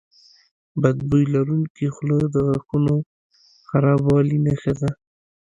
بد بوی لرونکي خوله د غاښونو خرابوالي نښه ده.